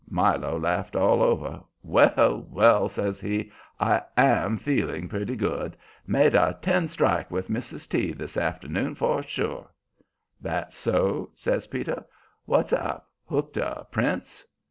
Milo laughed all over. "Well, well," says he, "I AM feeling pretty good. Made a ten strike with Mrs. T. this afternoon for sure. "That so?" says Peter. "What's up? Hooked a prince?"